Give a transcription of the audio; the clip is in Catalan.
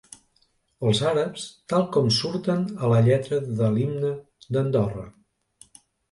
Els àrabs tal com surten a la lletra de l'himne d'Andorra.